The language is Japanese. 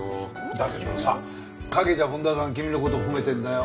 だけどさ陰じゃ本多さん君の事を褒めてるんだよ。